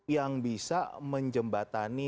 yang bisa menjembatani